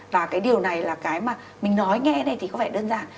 và cái điều này là cái mà mình nói nghe này thì có vẻ đơn giản